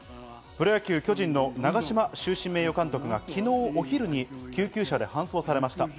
プロ野球・巨人の長嶋終身名誉監督が昨日、お昼に救急車で搬送されました。